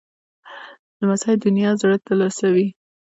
لمسی د نیا زړه تسلوي.